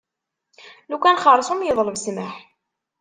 Lukan xersum yeḍleb ssmaḥ.